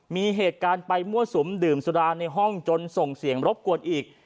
มีเหตุการณ์ไปมั่วสุมดื่มสุราในห้องจนส่งเสียงรบกวนอีก